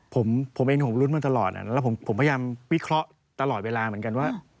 ผมเองผมรุ้นมาตลอดแล้วผมพยายามวิเคราะห์ตลอดเวลาเหมือนกันว่า